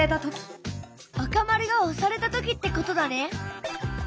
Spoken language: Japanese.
赤丸が押された時ってことだね！